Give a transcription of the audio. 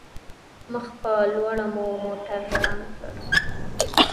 مخ په لوړه مو موټر روان کړ.